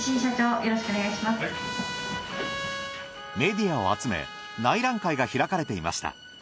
メディアを集め内覧会が開かれていました。